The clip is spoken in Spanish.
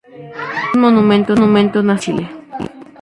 Es un Monumento Nacional de Chile.